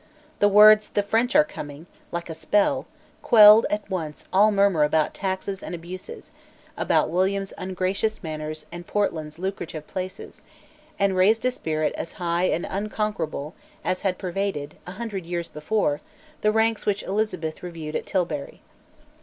The words, "The French are coming," like a spell, quelled at once all murmur about taxes and abuses, about William's ungracious manners and Portland's lucrative places, and raised a spirit as high and unconquerable as had pervaded, a hundred years before, the ranks which Elizabeth reviewed at Tilbury.